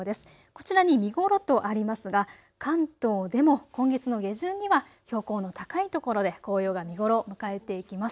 こちらに見頃とありますが関東でも今月の下旬には標高の高いところで紅葉が見頃を迎えていきます。